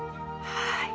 はい。